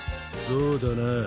そうだな。